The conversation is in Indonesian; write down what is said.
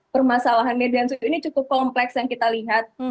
permasalahan medan zoo ini cukup kompleks yang kita lihat